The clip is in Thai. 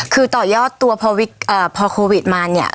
คือต่อยอดตัวพอโควิดมาเนี่ย